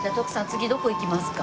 次どこ行きますか？